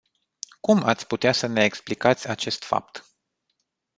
Cum ați putea să ne explicați acest fapt?